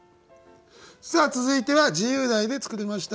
続いては自由題で作りました。